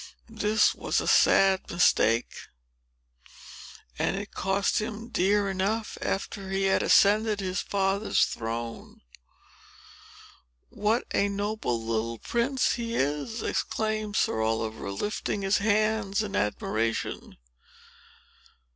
This was a sad mistake; and it cost him dear enough after he had ascended his father's throne. "What a noble little prince he is!" exclaimed Sir Oliver, lifting his hands in admiration.